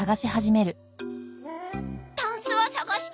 タンスは捜した。